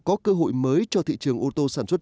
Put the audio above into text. có cơ hội mới cho thị trường ô tô sản xuất